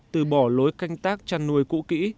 từ bỏ lối canh tác chăn nuôi cũ kỹ